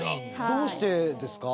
どうしてですか？